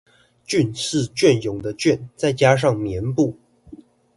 「寯」是雋永的「雋」再加上「宀」部